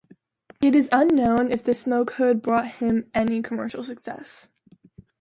It is unknown if the smoke hood brought him any commercial success.